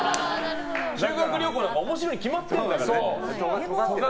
修学旅行なんか面白いに決まってるんだからね。